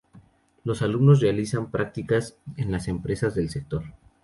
Los alumnos realizan prácticas en las empresas del sector.